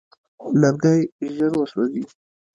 لرګی ژر وسوځي.